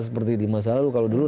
seperti di masa lalu kalau dulu